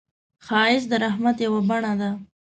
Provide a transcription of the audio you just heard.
ښایست د رحمت یو بڼه ده